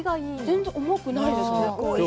全然、重くないですね。